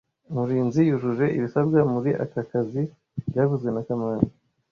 Murinzi yujuje ibisabwa muri aka kazi byavuzwe na kamanzi